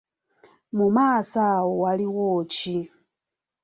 Mu maaso awo waliwo ki?